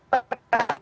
itu bukan siklopati